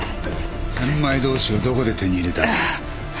千枚通しをどこで手に入れた？